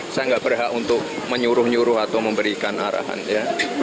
saya nggak berhak untuk menyuruh nyuruh atau memberikan arahan ya